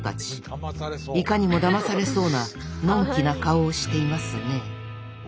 いかにもだまされそうなのんきな顔をしていますね